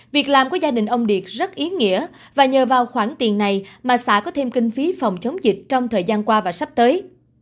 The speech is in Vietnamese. việc làm của gia đình ông điệp rất ý nghĩa và nhờ vào khoản tiền này mà xã có thêm kinh phí phòng chống dịch trong thời gian qua và sắp tới